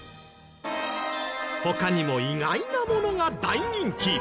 他にも意外なものが大人気。